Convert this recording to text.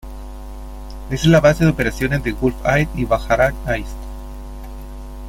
Es la base de operaciones de Gulf Air y Bahrain Air.